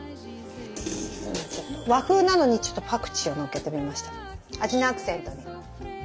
和風なのにちょっとパクチーをのっけてみました味のアクセントに。